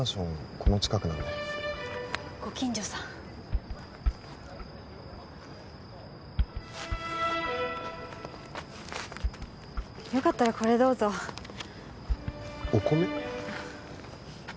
この近くなんでご近所さんよかったらこれどうぞお米？